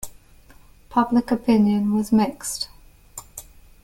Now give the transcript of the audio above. Public opinion was mixed.